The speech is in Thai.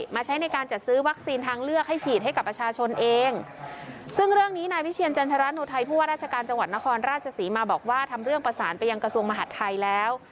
ใช้ในการจัดซื้อวัคซีนทางเลือกให้ฉีดให้กับประชาชนเองซึ่งเรื่องนี้นายวิเชียรจันทรานุทัยผู้ว่าราชการจังหวัดนครราชศรีมาบอกว่าทำเรื่องประสานไปยังกระทรวงมหาดไทยแล้ว